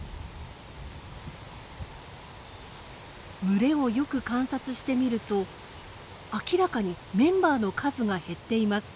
群れをよく観察してみると明らかにメンバーの数が減っています。